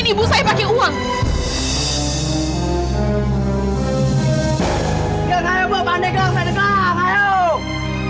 canta euh boh pandeglang casalel molik